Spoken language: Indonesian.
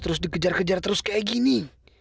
terus dikejar kejar terus kayak gini